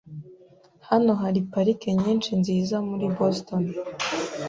Hano hari parike nyinshi nziza muri Boston.